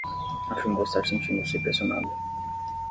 Afirmou estar sentindo-se pressionada